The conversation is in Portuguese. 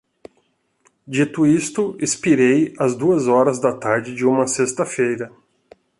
Dito isto, expirei às duas horas da tarde de uma sexta-feira